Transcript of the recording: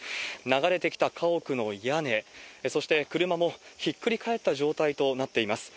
流れてきた家屋の屋根、そして車もひっくり返った状態となっています。